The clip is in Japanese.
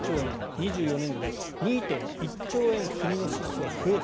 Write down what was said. ２４年度で２．１兆円国の支出が増える。